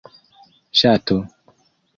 ŝato